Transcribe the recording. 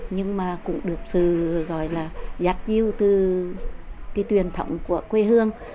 nhưng mà cũng được sự gọi là dắt dư từ cái truyền thống của quê hương